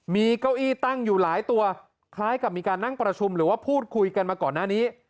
มีเก้าอี้ตั้งอยู่หลายตัวคล้ายกับมีการนั่งประชุมหรือว่าพูดคุยกันมาก่อนหน้านี้